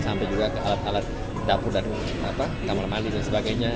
sampai juga ke alat alat dapur dan kamar mandi dan sebagainya